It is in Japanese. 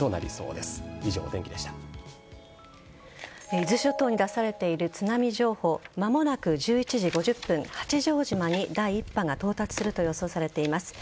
伊豆諸島に出されている津波情報間もなく１１時５０分八丈島に第１波が到達すると予想されています。